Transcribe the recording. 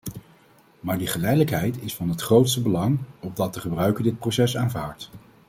Maar die geleidelijkheid is van het grootste belang, opdat de gebruiker dit proces aanvaardt.